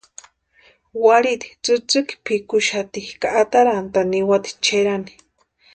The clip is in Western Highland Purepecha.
Warhiti tsïtsïki pʼikuxati ka atarantʼani niwati Cherani.